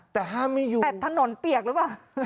แต่ถนนเปียกหรือเปล่า